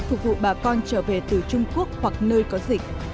phục vụ bà con trở về từ trung quốc hoặc nơi có dịch